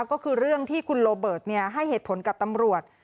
ก็คือเรื่องที่คุณโรเบิร์ตให้เหตุผลกับตำรวจ